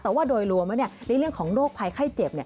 แต่ว่าโดยรวมแล้วในเรื่องของโรคภัยไข้เจ็บ